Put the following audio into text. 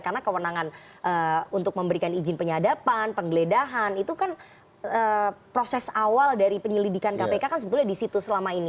karena kewenangan untuk memberikan izin penyadapan penggeledahan itu kan proses awal dari penyelidikan kpk kan sebetulnya di situ selama ini